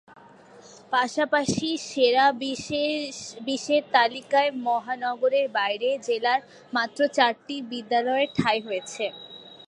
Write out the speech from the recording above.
পাশাপাশি সেরা বিশের তালিকায় মহানগরের বাইরে জেলার মাত্র চারটি বিদ্যালয়ের ঠাঁই হয়েছে।